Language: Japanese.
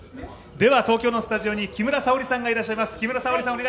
では東京のスタジオに木村沙織さんがいらっしゃいます。